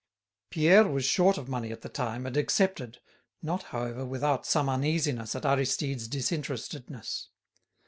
Pierre was short of money at the time, and accepted, not, however, without some uneasiness at Aristide's disinterestedness.